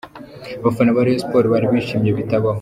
Abafana ba Rayon Sports bari bishimye bitabaho.